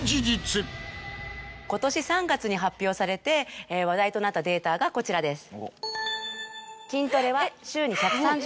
今年３月に発表されて話題となったデータがこちらです。